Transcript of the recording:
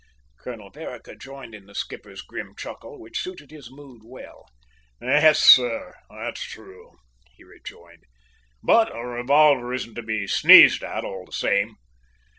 Colonel Vereker joined in the skipper's grim chuckle, which suited his mood well. "Yes, sir, that's true," he rejoined; "but a revolver isn't to be sneezed at, all the same!"